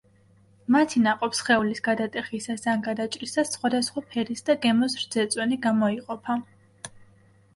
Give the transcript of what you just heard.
მათი ნაყოფსხეულის გადატეხისას ან გადაჭრისას სხვადასხვა ფერის და გემოს რძეწვენი გამოიყოფა.